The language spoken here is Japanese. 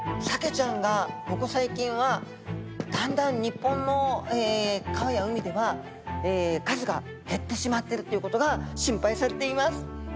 サケちゃんがここ最近はだんだん日本の川や海では数が減ってしまってるっていうことが心配されています。